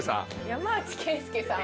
山内惠介さん？